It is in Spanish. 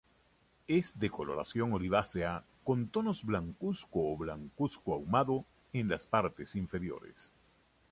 Es de coloración olivácea, con tonos blancuzco o blancuzco ahumado en las partes inferiores.